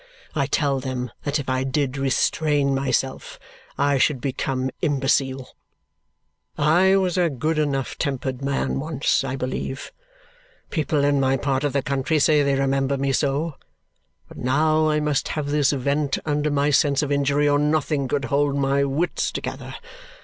I tell them that if I did restrain myself I should become imbecile. I was a good enough tempered man once, I believe. People in my part of the country say they remember me so, but now I must have this vent under my sense of injury or nothing could hold my wits together.